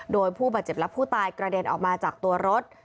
โดยผู้บาดเจ็บและผู้ตายกระเด็นออกมาจากตัวรถ